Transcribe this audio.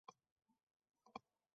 Yo’q, yuzi somonga o’xshaydi uning